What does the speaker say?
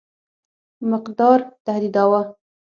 مقدار تهدیداوه.